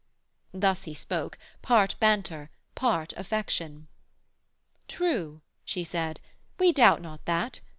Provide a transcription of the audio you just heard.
Thus he spoke, Part banter, part affection. 'True,' she said, 'We doubt not that.